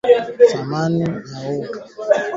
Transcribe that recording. samadi ya mbwa au paka haifai kwa matumizi ya shamba